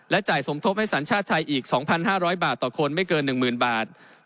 จ่ายสมทบให้สัญชาติไทยอีก๒๕๐๐บาทต่อคนไม่เกิน๑๐๐๐บาท